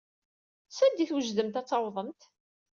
Sanda i twejdemt ad tawḍemt?